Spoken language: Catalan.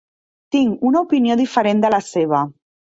Tinc una opinió diferent de la seva.